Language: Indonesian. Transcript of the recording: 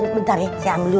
sebentar ya saya ambil dulu